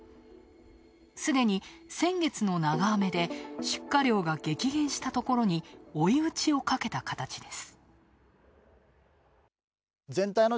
すでに先月の長雨で出荷量が激減したところに追いうちをかけた形です。